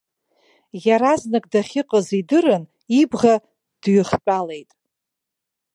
Иаразнак дахьыҟаз идырын, ибӷа дҩыхтәалеит.